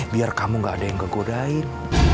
biar kamu tidak ada yang menggodain